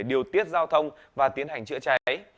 điều tiết giao thông và tiến hành chữa cháy